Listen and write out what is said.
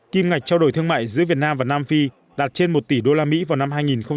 kim ngạch trao đổi thương mại giữa việt nam và nam phi đạt trên một tỷ usd vào năm hai nghìn một mươi năm